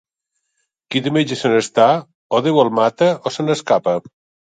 Qui de metges se n'està, o Déu el mata o se n'escapa.